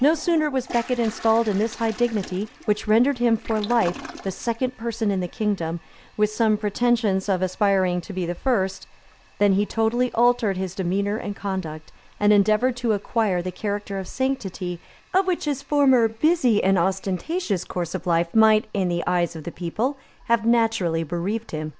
No sooner was Becket installed in this high dignity, which rendered him for life the second person in the kingdom, with some pretensions of aspiring to be the first, than he totally altered his demeanor and conduct, and endeavored to acquire the character of sanctity, of which his former busy and ostentatious course of life might, in the eyes of the people, have naturally bereaved him.